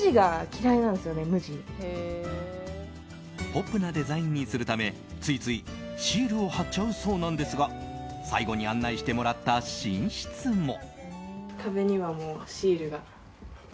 ポップなデザインにするためついついシールを貼っちゃうそうなんですが最後に案内してもらった寝室も。